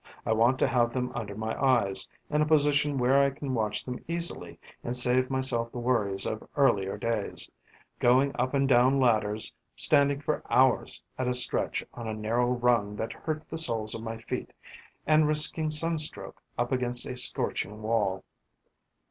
I want to have them under my eyes, in a position where I can watch them easily and save myself the worries of earlier days: going up and down ladders, standing for hours at a stretch on a narrow rung that hurt the soles of my feet and risking sunstroke up against a scorching wall.